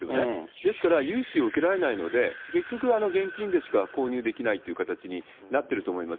ですから、融資を受けられないので、結局、現金でしか購入できないという形になってると思います。